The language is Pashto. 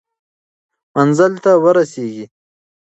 منزل ته ورسېږئ.